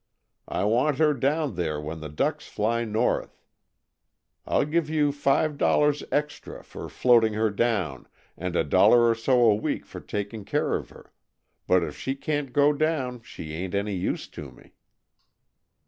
I want her down there when the ducks fly north. I'll give you five dollars extra for floating her down, and a dollar or so a week for taking care of her, but if she can't go down she ain't any use to me."